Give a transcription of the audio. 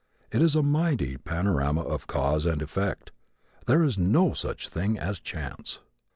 It is a mighty panorama of cause and effect. There is no such thing as chance.